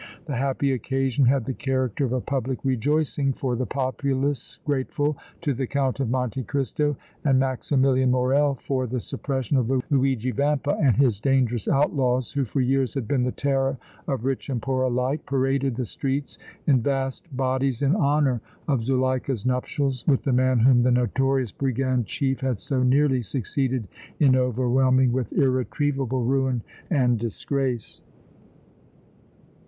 The happy occasion had the character of a public rejoicing, for the populace grateful to the Count of Monte Cristo and Maximilian Morrel for the suppression of Luigi Vampa and his dangerous outlaws, who for years had been the terror of rich and poor alike, paraded the streets in vast bodies in honor of Zuleika's nuptials with the man whom the notorious brigand chief had so nearly succeeded in overwhelming with irretrievable ruin and disgrace.